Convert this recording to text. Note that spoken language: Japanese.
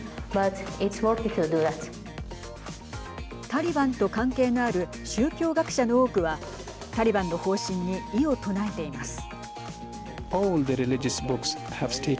タリバンと関係のある宗教学者の多くはタリバンの方針に異を唱えています。